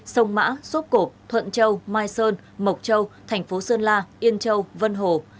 sông mã sốt cộp thuận châu mai sơn mộc châu thành phố sơn la yên châu vân hồ